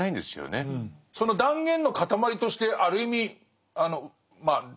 その断言の塊としてある意味まあ